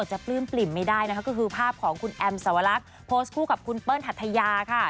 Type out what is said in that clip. ปลื้มปลิ่มไม่ได้นะคะก็คือภาพของคุณแอมสวรรคโพสต์คู่กับคุณเปิ้ลหัทยาค่ะ